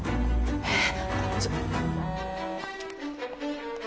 えっ！？